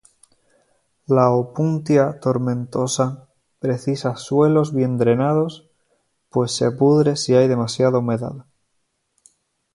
La "Opuntia tomentosa" precisa suelos bien drenados, pues se pudre si hay demasiada humedad.